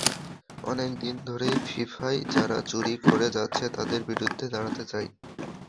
অনেক দিন ধরেই ফিফায় যারা চুরি করে যাচ্ছে, তাদের বিরুদ্ধে দাঁড়াতে চাই।